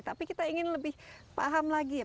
tapi kita ingin lebih paham lagi